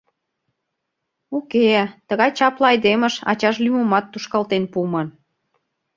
— Уке-э, тыгай чапле айдемыш ачаж лӱмымат тушкалтен пуыман.